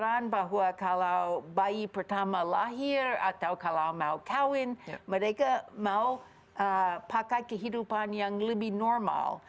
saya pikir bahwa kalau bayi pertama lahir atau kalau mau kawin mereka mau pakai kehidupan yang lebih normal